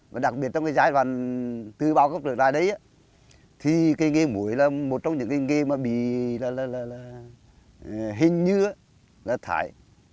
và đặc biệt trong cái giai đoạn từ bao cấp trở lại đấy thì cái nghề muối là một trong những nghề mà bị là là là là hình như là thải